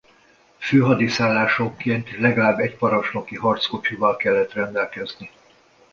Főhadiszállásonként legalább egy parancsnoki harckocsival kellett rendelkezni.